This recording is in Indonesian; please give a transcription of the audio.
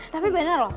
tapi bener loh